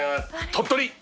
鳥取。